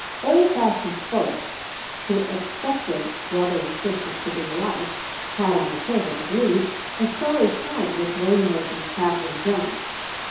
Old fashioned folk who expected brothers and sisters to be alike had, on the surface at least, a sorry time with Wayneworth and Katherine Jones.